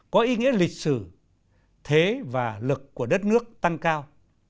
có ý nghĩa lịch sử thế và lực của đất nước tăng cao